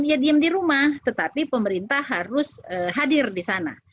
dia diem di rumah tetapi pemerintah harus hadir di sana